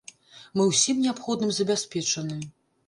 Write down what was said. Мы ўсім неабходным забяспечаны.